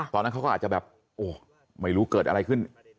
ตอนนั้นเขาก็อาจจะแบบโอ้ไม่รู้เกิดอะไรขึ้น